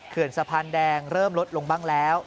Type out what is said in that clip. สะพานแดงเริ่มลดลงบ้างแล้ว